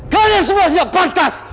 kalian semua siap pantas